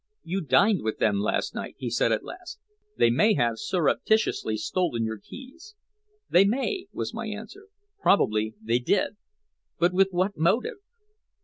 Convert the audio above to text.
"You dined with them last night," he said at last. "They may have surreptitiously stolen your keys." "They may," was my answer. "Probably they did. But with what motive?"